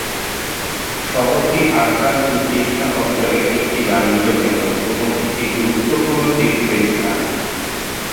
শহরটি আফগান তুর্কিস্তান অঞ্চলের একটি বাণিজ্যকেন্দ্র এবং একটি গুরুত্বপূর্ণ তীর্থস্থান।